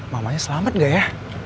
mamanya selamat gak ya